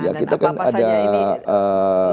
dan apa pasalnya ini